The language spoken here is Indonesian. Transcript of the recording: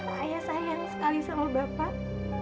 ayah sayang sekali sama bapak